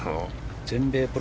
全米プロ